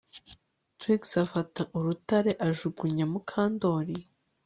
Trix afata urutare ajugunya Mukandoli